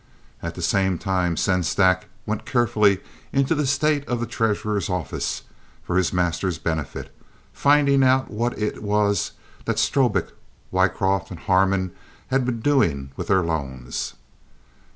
At the same time Sengstack went carefully into the state of the treasurer's office for his master's benefit—finding out what it was that Strobik, Wycroft, and Harmon had been doing with their loans.